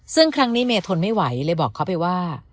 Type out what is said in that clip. ซึ่งครั้งนี้เมย์ทนไม่ไหวเลยบอกเขาไปว่า